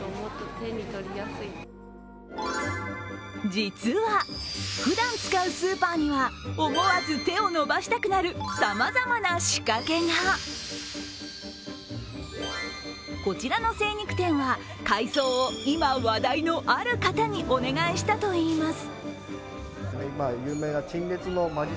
実はふだん使うスーパーには思わず手を伸ばしたくなるさまざまな仕掛けがこちらの精肉店は改装を今話題のある方にお願いしたといいます。